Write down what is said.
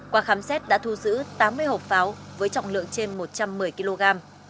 qua khám xét đã thu giữ tám mươi hộp pháo với trọng lượng trên một trăm một mươi kg